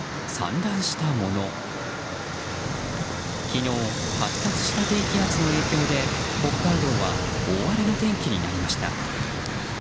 昨日、発達した低気圧の影響で北海道は大荒れの天気になりました。